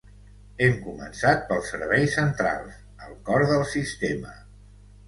Hem començat pels serveis centrals, el cor del sistema.